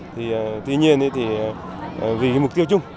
tuy nhiên thì vì mục tiêu chung